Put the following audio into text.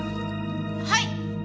はい！